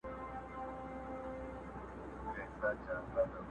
یو سړي باندي خدای ډېر وو رحمېدلی.